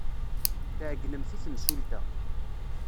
Tɛeyynemt i temsulta.